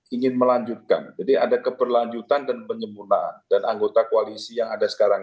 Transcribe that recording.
ingin melanjutkan jadi ada keberlanjutan dan penyempurnaan dan anggota koalisi yang ada sekarang